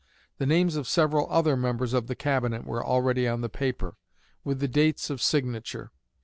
The names of several other members of the Cabinet were already on the paper, with the dates of signature.